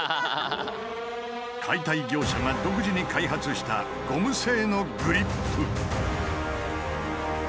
解体業者が独自に開発したゴム製のグリップ。